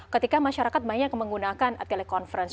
ketika masyarakat banyak menggunakan telekonferensi